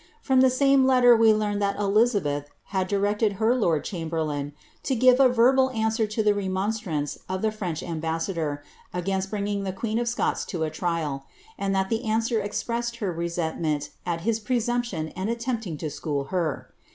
From the ame letter we learn that Elizabeth had directed her lord chamberlain to give a verbal answer to tiie remonstrance of the French ambassador a^inst bringing the queen of Scots to a trial, and that the answer ex pressed her resentment at his presumption in attempting to school her.